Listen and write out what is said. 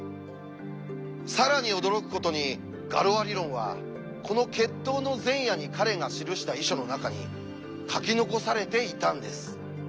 更に驚くことに「ガロア理論」はこの決闘の前夜に彼が記した遺書の中に書き残されていたんです。